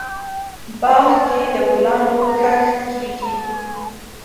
باغ کې دګلانو کښت کیږي